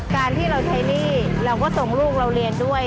การที่เราใช้หนี้เราก็ส่งลูกเราเรียนด้วย